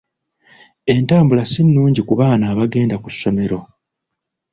Entambula si nnungi ku baana abagenda ku ssomero.